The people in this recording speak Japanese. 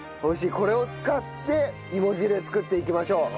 これを使っていも汁作っていきましょう。